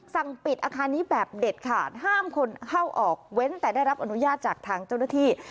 สั่งปิดอาคารนี้แบบเด็ดขาดห้ามคนเข้าออกเว้นแต่ได้รับอนุญาตจากทางเจ้าหน้าที่